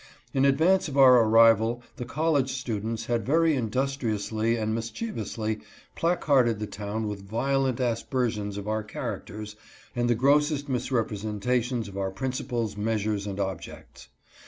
In advance of our arrival the college students had very industriously and mischievously placarded the town with violent aspersions of our characters and the grossest mis representations of our principles, measures, and objects.